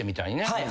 はい。